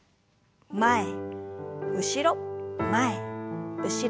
前後ろ前後ろ。